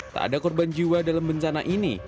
tak ada korban jiwa dalam bencana ini